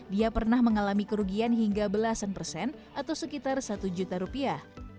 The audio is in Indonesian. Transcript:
dia pernah mengalami kerugian hingga belasan persen atau sekitar satu juta rupiah